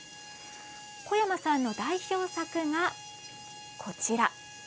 児山さんの代表作が、こちら。